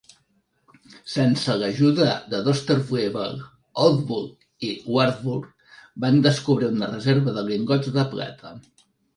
Sense l'ajuda de Dousterswivel, Oldbuck i Wardour van descobrir una reserva de lingots de plata.